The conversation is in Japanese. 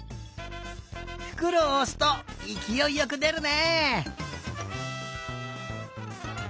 ふくろをおすといきおいよくでるね！